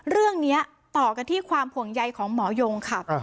เรื่องนี้ต่อกันที่ความห่วงใยของหมอยงค่ะ